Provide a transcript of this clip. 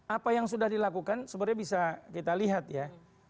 apa yang sudah dilakukan sebenarnya bisa kita lihat ya